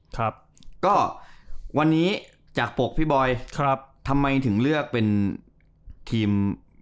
ครับก็วันนี้จากปกพี่บอยครับทำไมถึงเลือกเป็นทีม